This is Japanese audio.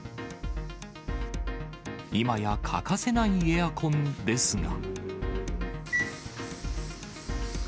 今や欠かせないエアコンですが。